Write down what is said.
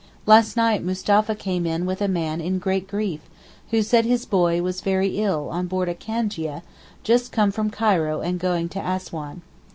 Last night Mustapha came in with a man in great grief who said his boy was very ill on board a cangia just come from Cairo and going to Assouan.